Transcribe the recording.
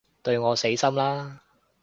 對我死心啦